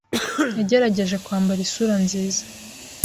yagerageje kwambara isura nziza.